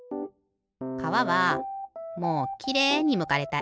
かわはもうきれいにむかれたい。